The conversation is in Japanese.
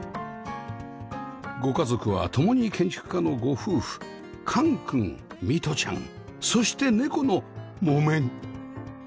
ご家族は共に建築家のご夫婦貫くん美澄ちゃんそして猫のもめん